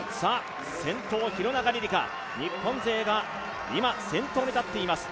先頭、廣中璃梨佳、日本勢が今、先頭に立っています。